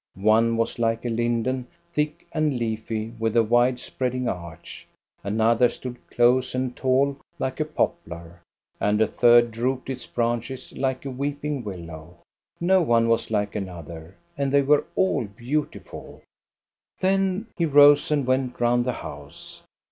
One was like a linden, thick and leafy with a wide spread ing arch, another stood close and tall like a poplar, and a third drooped its branches like a weeping willow. No one was like another, and they were all beautiful. Then he rose and went round the house.